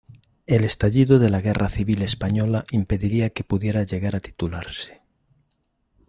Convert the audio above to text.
El estallido de la Guerra Civil española impediría que pudiera llegar a titularse.